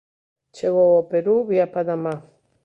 Chegou ao Perú vía Panamá.